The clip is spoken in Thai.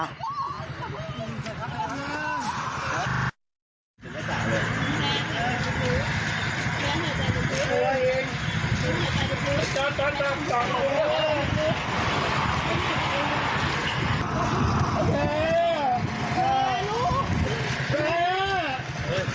ชัวร์๑เป็นแบบนี้ครับข้างล่างเท่าไหร่ค่ะ